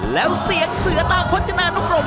แล้วเสียงเสือตามพจนานุกรม